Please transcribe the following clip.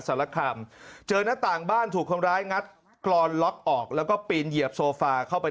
ใส่ก็ไม่ปลอดภัย